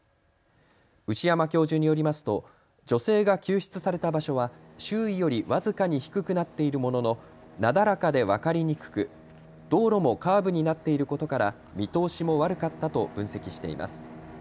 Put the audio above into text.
牛山教授によりますと女性が救出された場所は周囲より僅かに低くなっているもののなだらかで分かりにくく、道路もカーブになっていることから見通しも悪かったと分析しています。